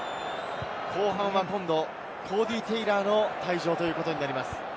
後半は今度コーディー・テイラーの退場ということになります。